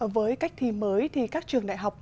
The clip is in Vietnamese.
với cách thi mới thì các trường đại học